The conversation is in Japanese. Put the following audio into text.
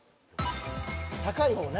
高い方ね。